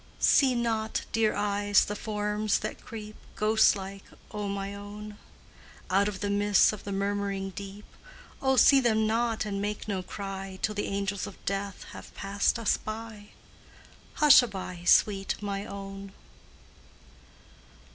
See not, dear eyes, the forms that creep Ghostlike, O my own! Out of the mists of the murmuring deep; Oh, see them not and make no cry Till the angels of death have passed us by Hushaby, sweet my own!